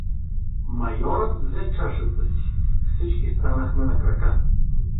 Майорът взе чашата си, всички станахме на крака.